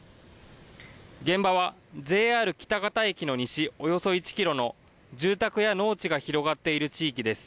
現場はＪＲ喜多方駅の西およそ１キロの住宅や農地が広がっている地域です。